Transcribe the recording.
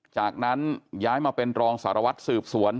จากนั้นย้ายมาเป็นรองสารวัตรสืบสวน